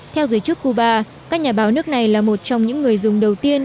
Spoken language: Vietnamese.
theo giới chức cuba các nhà báo nước này là một trong những người dùng đầu tiên